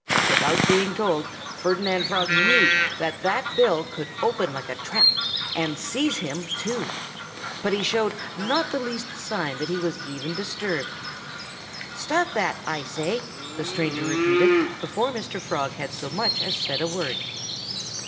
Without being told, Ferdinand Frog knew that that bill could open like a trap and seize him, too. But he showed not the least sign that he was even disturbed. "Stop that, I say!" the stranger repeated, before Mr. Frog had so much as said a word.